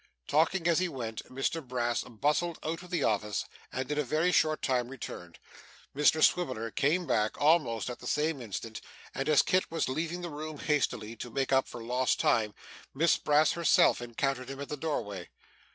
Talking as he went, Mr Brass bustled out of the office, and in a very short time returned. Mr Swiveller came back, almost at the same instant; and as Kit was leaving the room hastily, to make up for lost time, Miss Brass herself encountered him in the doorway.